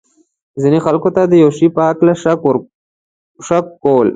ځینو خلکو ته د یو شي په هکله شک کول.